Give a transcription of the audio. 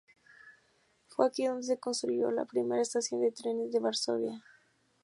Fue aquí donde se construyó la primera estación de trenes de Varsovia.